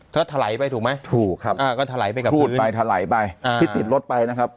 เธอถลายไปถูกไหมถูกครับพูดไปถลายไปที่ติดรถไปนะครับ